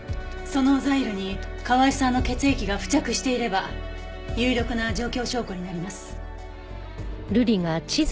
そのザイルに河合さんの血液が付着していれば有力な状況証拠になります。